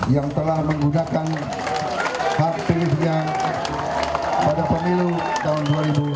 yang telah menggunakan hak pilihnya pada pemilu tahun dua ribu sembilan belas